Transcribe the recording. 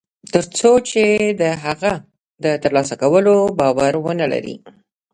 تر څو چې د هغه د تر لاسه کولو باور و نهلري